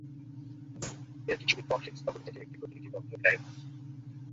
এর কিছুদিন পর হিমস নগরী থেকে একটি প্রতিনিধি দল মদীনায় এল।